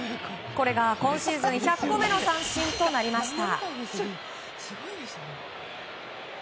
これが今シーズン１００個目の三振となりました。